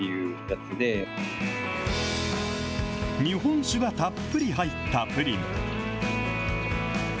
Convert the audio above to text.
日本酒がたっぷり入ったプリン。